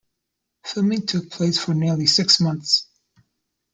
Filming took place for nearly six months.